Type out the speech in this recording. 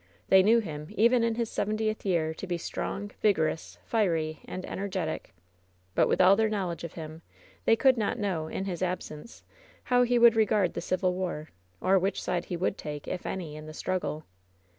They knew him, even in his seventieth year, to iL strongf vigorous, fiery and ener gctic. But with all their knowledge of him they could not know, in his absence, how he would regard the Civil War, or which side he would take, if any, in the struggle.